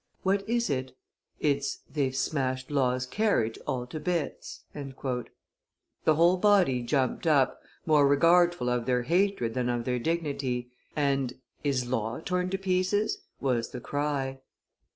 What is it? It's They've smashed Law's carriage all to bits." The whole body jumped up, more regardful of their hatred than of their dignity; and "Is Law torn in pieces?" was the cry.